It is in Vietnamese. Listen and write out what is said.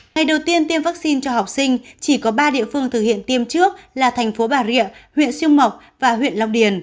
ngày đầu tiên tiêm vaccine cho học sinh chỉ có ba địa phương thực hiện tiêm trước là thành phố bà rịa huyện xuyên mộc và huyện long điền